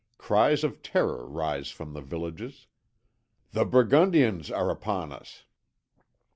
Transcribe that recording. Cries of terror rise from the villages, 'The Burgundians are upon us!'